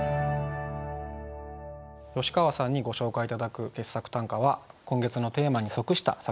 吉川さんにご紹介頂く傑作短歌は今月のテーマに即した作品です。